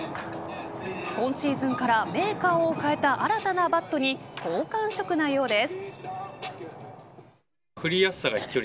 今シーズンからメーカーを変えた新たなバットに好感触なようです。